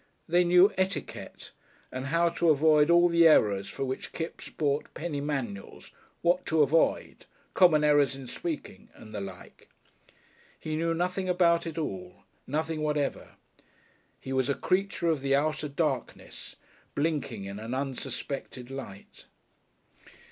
They "knew etiquette," and how to avoid all the errors for which Kipps bought penny manuals, "What to Avoid," "Common Errors in Speaking," and the like. He knew nothing about it all nothing whatever; he was a creature of the outer darkness blinking in an unsuspected light.